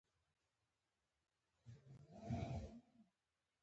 خط کشونه د اوږدوالي د اندازه کولو یوه بله وسیله ده.